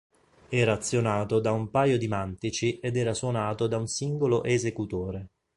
Era azionato da un paio di mantici ed era suonato da un singolo esecutore.